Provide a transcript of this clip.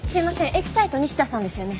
エキサイト西田さんですよね？